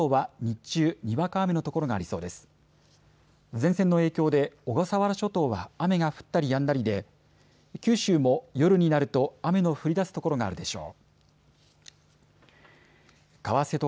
前線の影響で小笠原諸島は雨が降ったりやんだりで九州も夜になると雨の降りだす所があるでしょう。